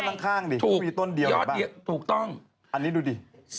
คุณดูต้นข้างนี่มันมีต้นเดียวเหมือนบ้างอันนี้ดูดิ